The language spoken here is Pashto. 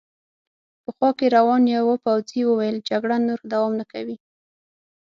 په خوا کې روان یوه پوځي وویل: جګړه نور دوام نه کوي.